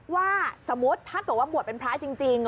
ว่าสมมุติถ้าบวกเป็นพระจริง